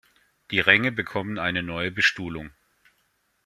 Die Ränge bekommen eine neue Bestuhlung.